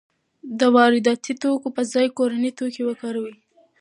د وارداتي توکو په ځای کورني توکي وکاروئ.